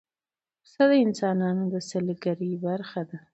پسه د افغانستان د سیلګرۍ برخه ده.